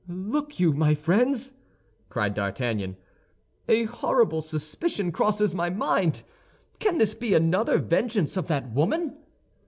"Look you, my friends!" cried D'Artagnan, "a horrible suspicion crosses my mind! Can this be another vengeance of that woman?"